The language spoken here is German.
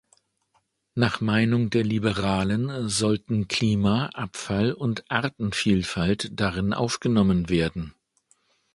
Nach Meinung der Liberalen sollten Klima, Abfall und Artenvielfalt darin aufgenommen werden.